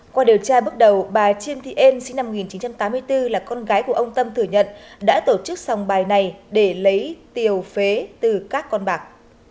qua điều tra bước đầu bà chiêm thị en sinh năm một nghìn chín trăm tám mươi bốn là con gái của ông tâm thừa nhận đã tổ chức sòng bài này để lấy tiền phế từ các con bạc